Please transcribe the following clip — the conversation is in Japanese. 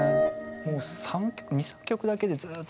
もう２３曲だけでずっと。